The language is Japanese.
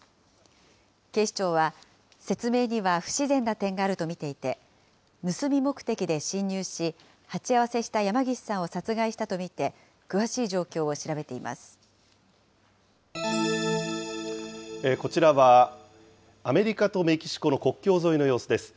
警視庁は、説明には不自然な点があると見ていて、盗み目的で侵入し、鉢合わせした山岸さんを殺害したと見て、詳しい状況を調べていまこちらは、アメリカとメキシコの国境沿いの様子です。